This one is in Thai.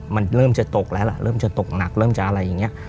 มันเริ่มจะตกแล้วล่ะเริ่มจะตกหนักเริ่มจะอะไรอย่างนี้